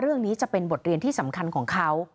เรื่องนี้จะเป็นบทเรียนที่สำคัญของเขา